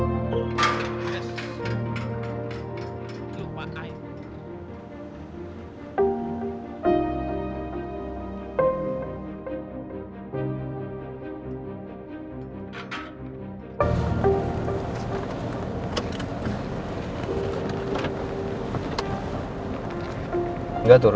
noh kamu kenapa noh